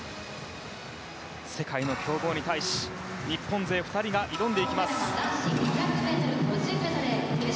世界の強豪に対し日本勢２人が挑んでいきます。